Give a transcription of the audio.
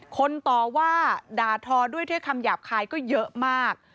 ต่อว่าด่าทอด้วยคำหยาบคายก็เยอะมาก